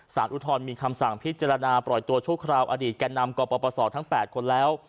อุทธรณมีคำสั่งพิจารณาปล่อยตัวชั่วคราวอดีตแก่นำกปศทั้ง๘คนแล้ว